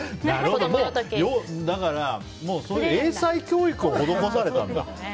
なるほど、もう英才教育を施されたんだ。